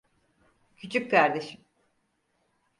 Küçük kardeşim.